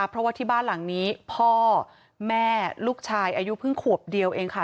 เพราะว่าที่บ้านหลังนี้พ่อแม่ลูกชายอายุเพิ่งขวบเดียวเองค่ะ